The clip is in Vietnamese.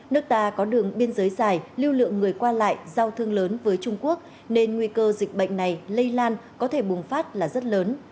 nước ta có đường biên giới dài lưu lượng người qua lại giao thương lớn với trung quốc nên nguy cơ dịch bệnh này lây lan có thể bùng phát là rất lớn